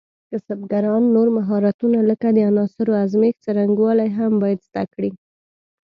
کسبګران نور مهارتونه لکه د عناصرو ازمېښت څرنګوالي هم باید زده کړي.